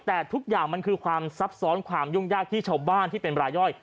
แต่ทุกอย่างมันคือความซับซ้อนความยุ่งยากที่ชาวบ้านที่เป็นรายย่อย